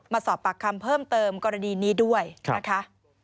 มาสอบปากคำเพิ่มเติมกรณีนี้ด้วยนะคะ